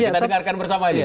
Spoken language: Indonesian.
kita dengarkan bersama ini